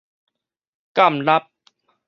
鑒納